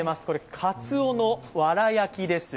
かつおのわら焼きです。